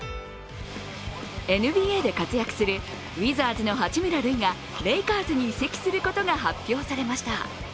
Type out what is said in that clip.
ＮＢＡで活躍するウィザーズの八村塁がレイカーズに移籍することが発表されました。